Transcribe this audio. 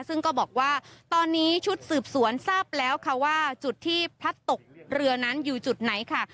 ซึ่งก็บอกว่าตอนนี้ชุดสืบสวนทราบแล้วค่ะว่าจุดที่พลัดตกเรือนั้นอยู่จุดไหนค่ะ